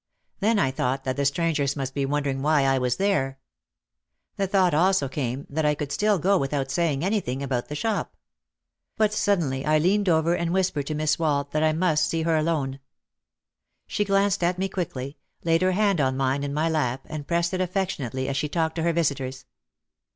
Then I thought that the strangers must be wondering why I was there. The thought also came that I could still go without saying anything about the shop. But suddenly I leaned over and whispered to Miss Wald that I must see her alone. She glanced at me quickly, laid her hand on mine in my lap and pressed it affectionately as she talked to her visitors.